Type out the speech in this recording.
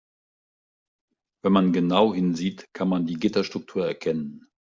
Wenn man genau hinsieht, kann man die Gitterstruktur erkennen.